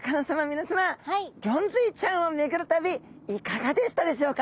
皆さまギョンズイちゃんを巡る旅いかがでしたでしょうか？